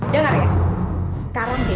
sana masuk kamar mandi